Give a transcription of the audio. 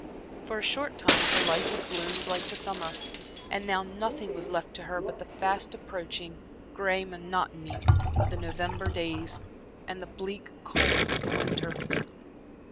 For a short time her life had bloomed like the summer; and now nothing was left to her but the fast approaching gray monotony of the November days, and the bleak cold of the winter.